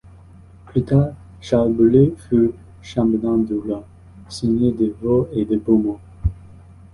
Plus tard, Charles Bourré fut chambellan du roi, seigneur de Vaux et de Beaumont.